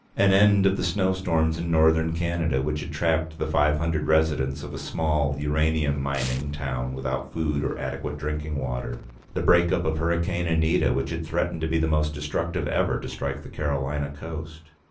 An end of the snowstorms in northern Canada which had trapped the five hundred residents of a small uranium mining town without food or adequate drinking water. The break up of Hurricane Anita which had threatened to be the most destructive ever to strike the Carolina Coast.